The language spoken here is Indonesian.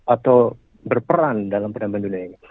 atau berperan dalam perdamaian dunia ini